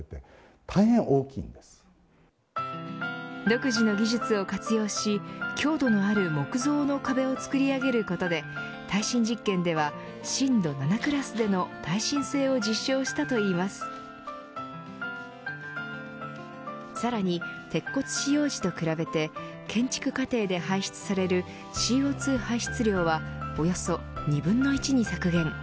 独自の技術を活用し強度のある木造の壁を作り上げることで耐震実験では、震度７クラスでの耐震性を実証したといいますさらに鉄骨使用時と比べて建築過程で排出されるＣＯ２排出量はおよそ２分の１に削減。